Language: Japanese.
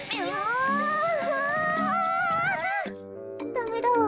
ダメだわ。